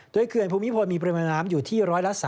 โดยเขื่อนภูมิพลมีปริมาณน้ำอยู่ที่๑๓